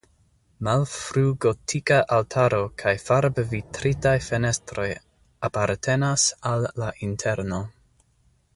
Malfrugotika altaro kaj farbvitritaj fenestroj apartenas al la interno.